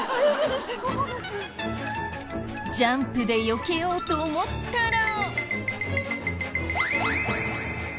ジャンプでよけようと思ったら。